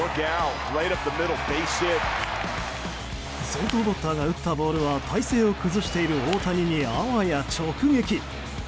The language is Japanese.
先頭バッターが打ったボールは体勢を崩している大谷にあわや直撃。